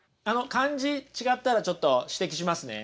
漢字違ったらちょっと指摘しますね。